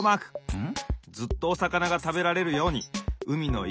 うん。